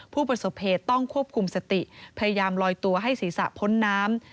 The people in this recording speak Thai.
ผู้ประสบเหตุต้องควบคุมสติพยายามลอยตัวให้ศีรษะพ้นน้ำ